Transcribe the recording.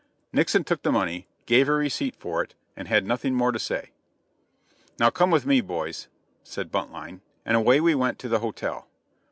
Nixon took the money, gave a receipt for it, and had nothing more to say. "Now, come with me boys," said Buntline; and away we went to the hotel.